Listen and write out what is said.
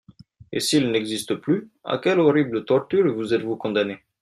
Et s’il n’existe plus, à quelle horrible torture vous êtes-vous condamnée ?